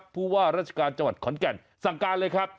ผู้ว่าราชการจังหวัดขอนแก่นสั่งการเลยครับ